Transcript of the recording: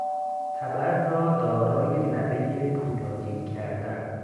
تبر را دارای لبهی پولادین کردن